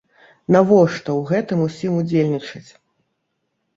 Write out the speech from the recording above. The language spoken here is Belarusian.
Навошта ў гэтым усім удзельнічаць?